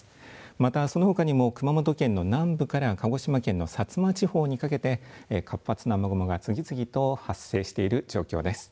またそのほかにも熊本県の南部から鹿児島県の薩摩地方にかけて活発な雨雲が次々と発生している状況です。